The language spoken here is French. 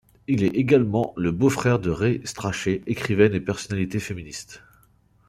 Il est également le beau-frère de Ray Strachey, écrivaine et personnalité féministe.